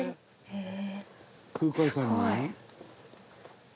「へえ！